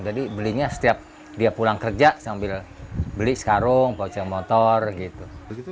jadi belinya setiap dia pulang kerja beli sekarung pasang motor gitu